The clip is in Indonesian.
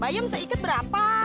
bayam seikit berapa